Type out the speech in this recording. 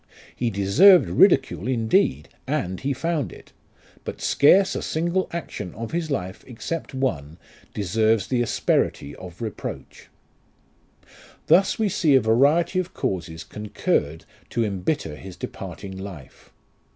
He deserved ridicule, indeed, and he found it ; but scarce a single action of his life, except one, deserves the asperity of reproach. Thus we see a variety of causes concurred to embitter his departing life.